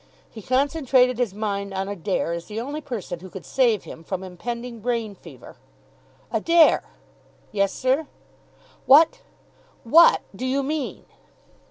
He concentrated his mind on Adair as the only person who could save him from impending brain fever. "Adair!" "Yes, sir?" "What what do you mean?"